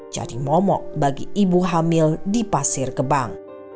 jadi momok bagi ibu hamil di pasir kebang